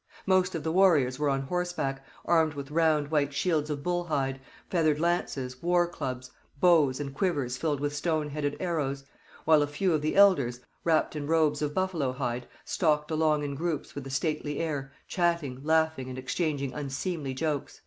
Most of the warriors were on horseback, armed with round white shields of bull hide, feathered lances, war clubs, bows, and quivers filled with stone headed arrows; while a few of the elders, wrapped in robes of buffalo hide, stalked along in groups with a stately air, chatting, laughing, and exchanging unseemly jokes.'